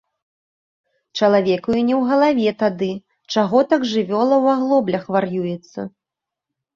Чалавеку і не ў галаве тады, чаго так жывёла ў аглоблях вар'юецца.